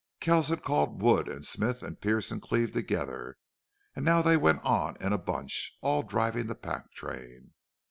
Kells had called Wood and Smith and Pearce and Cleve together, and now they went on in a bunch, all driving the pack train.